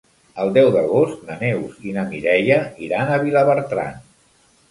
El deu d'agost na Neus i na Mireia iran a Vilabertran.